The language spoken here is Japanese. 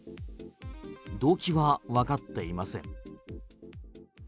動機はわかっていません。